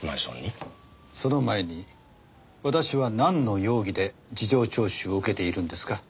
その前に私はなんの容疑で事情聴取を受けているんですか？